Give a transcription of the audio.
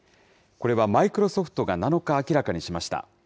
これはマイクロソフトが７日明らかにしました。